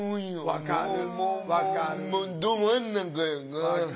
分かる。